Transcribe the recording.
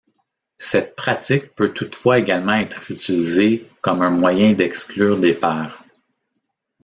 Cette pratique peut toutefois également être utilisée comme un moyen d’exclure des pairs.